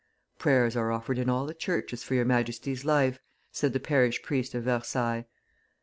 "Prayers are offered in all the churches for your Majesty's life," said the parish priest of Versailles.